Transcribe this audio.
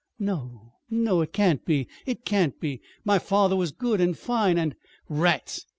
"No, no, it can't be it can't be! My father was good and fine, and " "Rats!